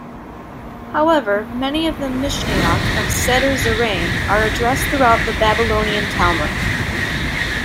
However, many of the mishnayot of Seder Zeraim are addressed throughout the Babylonian Talmud.